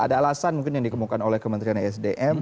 ada alasan mungkin yang dikemukan oleh kementerian esdm